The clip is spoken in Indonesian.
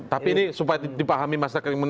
tapi ini supaya dipahami mas rakeem